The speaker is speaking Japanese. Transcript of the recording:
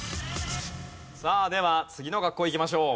さあでは次の学校いきましょう。